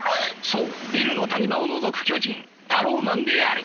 そうビルの谷間をのぞく巨人タローマンである。